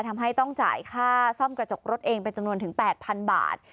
ทำให้ต้องจ่ายค่าซ่อมกระจกรถเองเป็นจำนวนถึง๘๐๐๐บาท